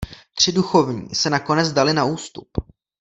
Tři duchovní se nakonec dali na ústup.